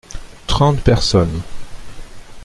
Trente personnes.